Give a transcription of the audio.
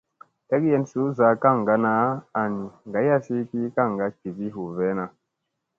Tlekyen suu zaa kaŋgana an gayasi ki kaŋga jivi hu veena.